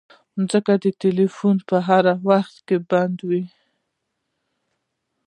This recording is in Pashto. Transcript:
ځکه خو ټيلفون به يې هر وخت بند و.